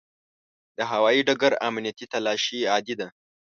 د هوایي ډګر امنیتي تلاشي عادي ده.